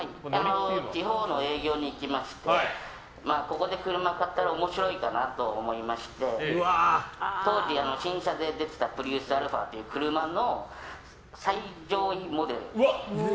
地方の営業に行きましてここで車を買ったら面白いかなと思いまして当時、新車で出てたプリウスａという車の最上位モデル。